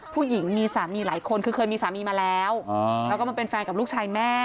ผู้หญิงมีสามีหลายคนคือเคยมีสามีมาแล้วแล้วก็มาเป็นแฟนกับลูกชายแม่